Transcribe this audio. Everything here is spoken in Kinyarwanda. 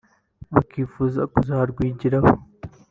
bakifuza kuzarwigiraho